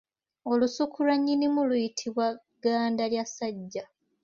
Olusuku lwa nnyinimu luyitibwa Gandalyassajja.